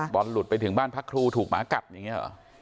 บอลหลุดไปถึงบ้านพักครูถูกหมากัดอย่างนี้หรอ